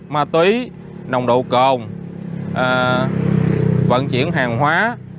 ma túy nồng độ cồn vận chuyển hàng hóa